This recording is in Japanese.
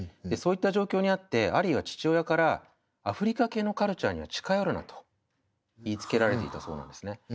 そういった状況にあってアリーは父親からアフリカ系のカルチャーには近寄るなと言いつけられていたそうなんですね。